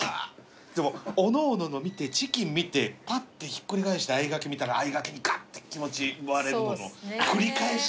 でもおのおのの見てチキン見てぱってひっくり返してあいがけ見たらあいがけにがって気持ち奪われるのの繰り返し。